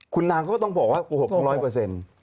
คุณนางก็ต้องบอกว่ากูโกหก๑๐๐เปอร์เซ็นต์